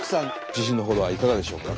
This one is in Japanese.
自信の程はいかがでしょうか？